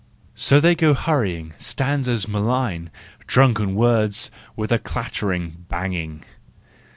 So they go hurrying, stanzas malign, Drunken words—what a clattering, banging!